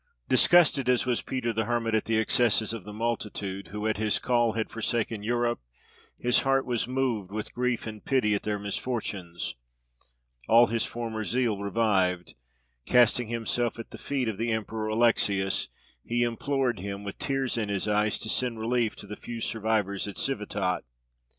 ] Disgusted as was Peter the Hermit at the excesses of the multitude, who, at his call, had forsaken Europe, his heart was moved with grief and pity at their misfortunes. All his former zeal revived: casting himself at the feet of the Emperor Alexius, he implored him, with tears in his eyes, to send relief to the few survivors at Civitot.